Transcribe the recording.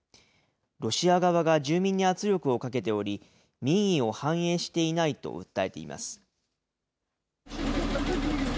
ロシア側が住民に圧力をかけており、民意を反映していないと訴えています。